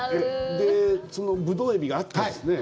そのブドウエビがあったんですね。